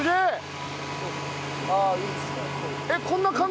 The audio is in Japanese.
ああいいですね。